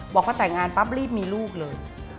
บอกว่าแต่งงานปั๊บรีบมีลูกเลย